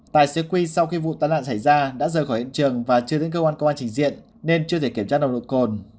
tài xế quy sau khi vụ tai nạn xảy ra đã rời khỏi hiện trường và chưa đến cơ quan công an trình diện nên chưa thể kiểm tra nồng độ cồn